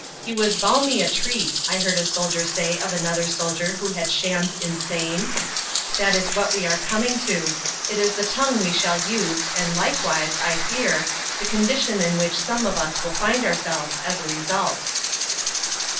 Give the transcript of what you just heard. "He was balmy a treat," I heard a soldier say of another soldier who had shammed insane. That is what we are coming to: it is the tongue we shall use and likewise (I fear) the condition in which some of us will find ourselves as a result.